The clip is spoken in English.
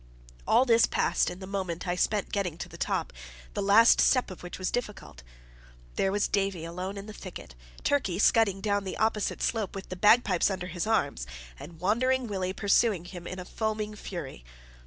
All this passed in the moment I spent in getting to the top, the last step of which was difficult. There was Davie alone in the thicket, Turkey scudding down the opposite slope with the bagpipes under his arm, and Wandering Willie pursuing him in a foaming fury.